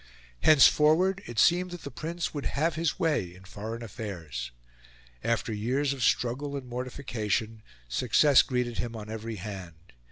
Henceforward, it seemed that the Prince would have his way in foreign affairs. After years of struggle and mortification, success greeted him on every hand.